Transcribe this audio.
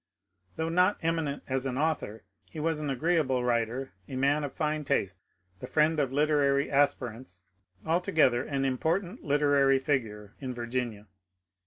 Though not eminent as an author, he was an agreeable writer, a man of fine taste, the friend of literary aspirants, altogether an important literary figure in Virginia.